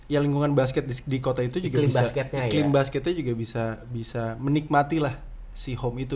ya lingkungan basket di kota itu iklim basketnya juga bisa menikmati lah si home itu